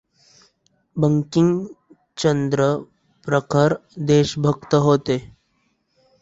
बंकिमचंद्र प्रखर देशभक्त होते.